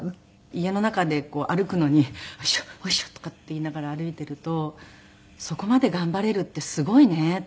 家の中で歩くのに「よいしょよいしょ」とかって言いながら歩いていると「そこまで頑張れるってすごいね。